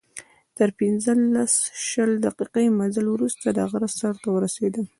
تر پنځلس، شل دقیقې مزل وروسته د غره سر ته ورسېدم.